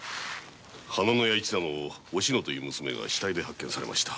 花廼屋一座のお篠という娘が死体で発見されました。